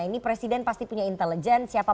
ini presiden pasti punya intelijen siapa